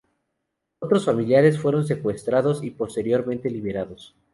Otros familiares, fueron secuestrados y posteriormente liberados.